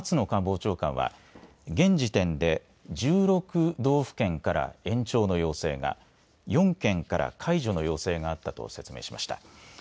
官房長官は現時点で１６道府県から延長の要請が、４県から解除の要請があったと説明しました。